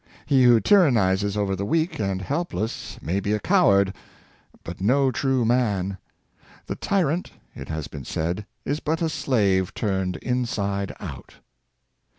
He who tyrannizes over the weak and helpless may be a coward, but no true man. The tyrant, it has been said is but a slave turned inside out.